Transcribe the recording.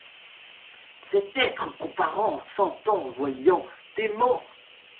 Cet être comparant, sentant, voyant, aimant